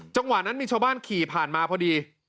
จังหวะนั้นมีชาวบ้านขี่ผ่านมาพอดี